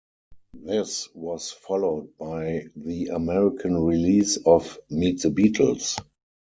This was followed by the American release of Meet the Beatles!